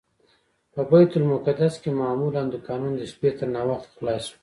په بیت المقدس کې معمولا دوکانونه د شپې تر ناوخته خلاص وي.